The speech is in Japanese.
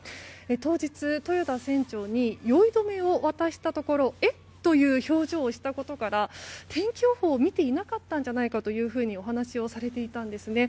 当日、豊田船長に酔い止めを渡したところえっ？という表情をしたことから天気予報を見ていなかったんじゃないかとお話をされていたんですね。